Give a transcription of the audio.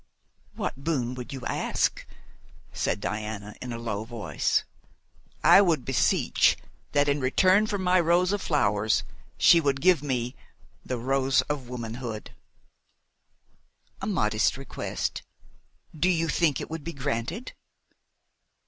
"What boon would you ask?" said Diana in a low voice. "I would beseech that in return for my rose of flowers she would give me the rose of womanhood." "A modest request. Do you think it would be granted?"